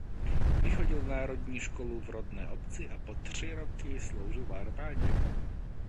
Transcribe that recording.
Vychodil národní školu v rodné obci a po tři roky sloužil v armádě.